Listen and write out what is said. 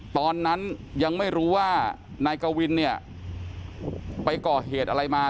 ตอนนั้นยังไม่รู้ว่านายกวินเนี่ยไปก่อเหตุอะไรมา